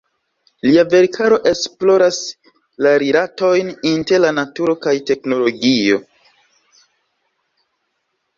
Lia verkaro esploras la rilatojn inter la naturo kaj teknologio.